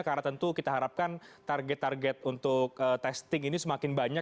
karena tentu kita harapkan target target untuk testing ini semakin banyak